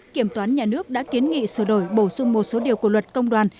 kiểm toán nhà nước đã kiến nghị sửa đổi bổ sung một số điều của luật công đoàn